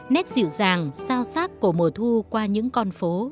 nét dịu dàng sao xác của mùa thu qua những con phố